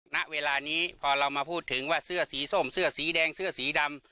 ณเวลานี้พอเรามาพูดถึงว่าเสื้อสีส้มเสื้อสีแดงเสื้อสีดำ